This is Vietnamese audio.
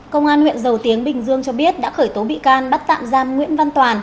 công an huyện dầu tiếng bình dương cho biết đã khởi tố bị can bắt tạm giam nguyễn văn toàn